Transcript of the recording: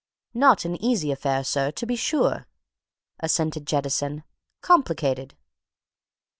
"Not an easy affair, sir, to be sure," assented Jettison. "Complicated!"